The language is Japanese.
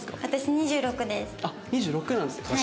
私２６です。